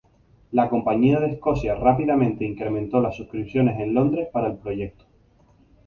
La Compañía de Escocia rápidamente incrementó las suscripciones en Londres para el proyecto.